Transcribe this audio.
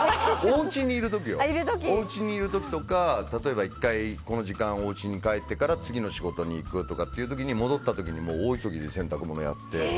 おうちにいる時とか例えば１回この時間おうちに帰ってから次の仕事に行く時に戻った時に大急ぎで洗濯物をやって。